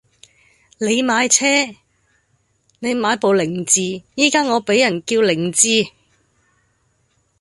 你買車!你買部凌志，而家我俾人叫零智!